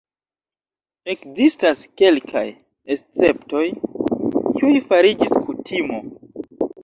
Ekzistas kelkaj esceptoj, kiuj fariĝis kutimo.